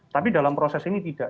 tapi dalam proses ini tidak